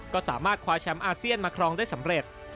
ก็สามารถคว้าแชมป์อาเซียนมาครองได้สำเร็จ